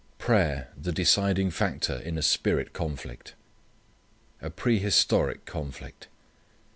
Prayer the Deciding Factor in a Spirit Conflict A Prehistoric Conflict.